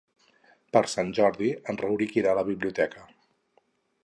Per Sant Jordi en Rauric irà a la biblioteca.